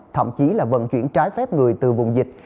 thậm chí là vận chuyển trái phép người từ vùng dịch